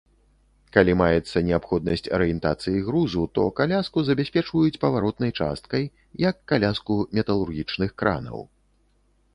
Калі маецца неабходнасць арыентацыі грузу, то каляску забяспечваюць паваротнай часткай, як каляску металургічных кранаў.